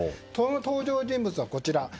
登場人物は、こちら。